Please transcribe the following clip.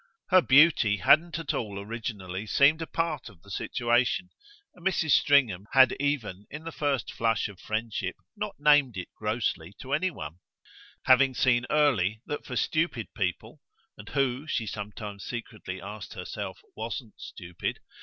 Her beauty hadn't at all originally seemed a part of the situation, and Mrs. Stringham had even in the first flush of friendship not named it grossly to any one; having seen early that for stupid people and who, she sometimes secretly asked herself, wasn't stupid?